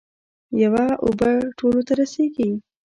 یوه اوبه ټولو ته رسیږي.